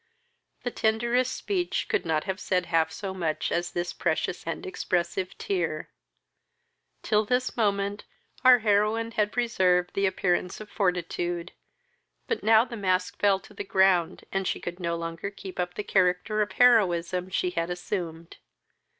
The tenderest speech could not have said half so much as this precious and expressive tear. Till this moment out heroine had preserved the appearance of fortitude; but now the mask fell to the ground, and she could no longer keep up the character of heroism she had assumed.